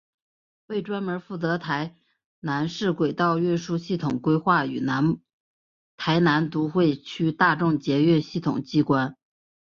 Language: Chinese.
为专门负责台南市轨道运输系统规划与台南都会区大众捷运系统机关。